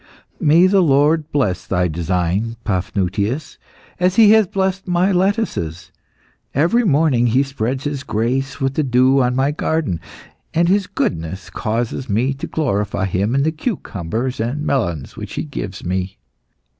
"May the Lord bless thy design, Paphnutius, as He has blessed my lettuces. Every morning He spreads His grace with the dew on my garden, and His goodness causes me to glorify Him in the cucumbers and melons which He gives me.